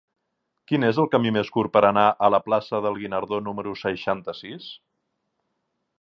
Quin és el camí més curt per anar a la plaça del Guinardó número seixanta-sis?